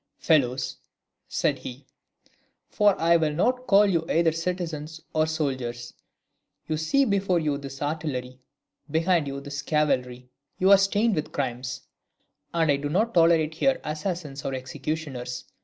"Fellows," said he, "for I will not call you either citizens or soldiers, you see before you this artillery, behind you this cavalry; you are stained with crimes, and I do not tolerate here assassins or executioners.